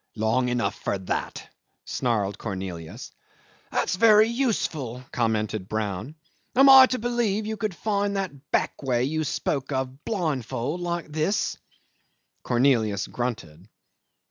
Long enough for that," snarled Cornelius. "That's very useful," commented Brown. "Am I to believe you could find that backway you spoke of blindfold, like this?" Cornelius grunted.